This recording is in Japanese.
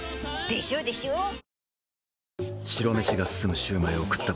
でしょでしょー！